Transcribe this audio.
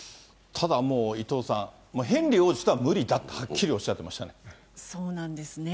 ただもう、伊藤さん、ヘンリー王子とは無理だとはっきりおっしゃってましたね。